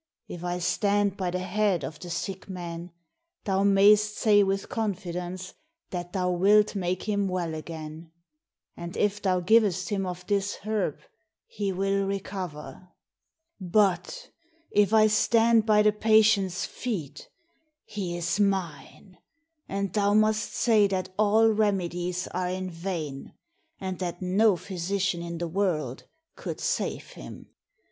If I stand by the head of the sick man, thou mayst say with confidence that thou wilt make him well again, and if thou givest him of this herb he will recover; but if I stand by the patient's feet, he is mine, and thou must say that all remedies are in vain, and that no physician in the world could save him.